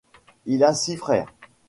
Il a six frères.